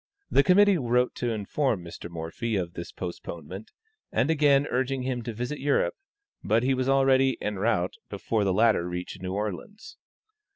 The committee wrote to inform Mr. Morphy of this postponement, and again urging him to visit Europe, but he was already en route before the latter reached New Orleans.